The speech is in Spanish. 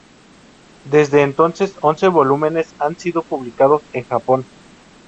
Desde entonces, once volúmenes han sido publicados en Japón.